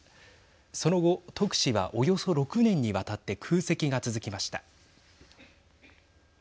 その後、特使はおよそ６年にわたって空席が続きました。